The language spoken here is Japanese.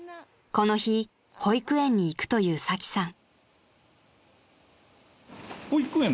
［この日保育園に行くというサキさん］